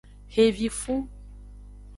Xevifu.